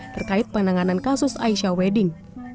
terkait penanganan kasus aisyah wedding